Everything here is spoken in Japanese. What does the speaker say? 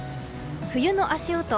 冬の足音